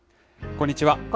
こんにちは。